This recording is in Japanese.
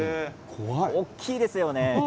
大きいですよね。